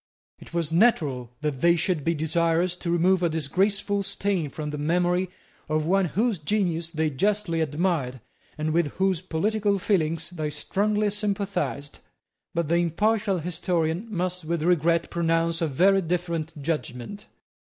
It was natural that they should be desirous to remove a disgraceful stain from the memory of one whose genius they justly admired, and with whose political feelings they strongly sympathized; but the impartial historian must with regret pronounce a very different judgment.